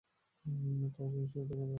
খাওয়ার জন্য সুস্বাদু খাবার এখানে মিলবে না।